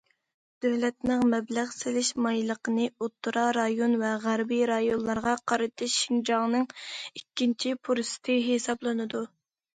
دۆلەتنىڭ مەبلەغ سېلىش مايىللىقىنى ئوتتۇرا رايون ۋە غەربىي رايونلارغا قارىتىشى شىنجاڭنىڭ ئىككىنچى پۇرسىتى ھېسابلىنىدۇ.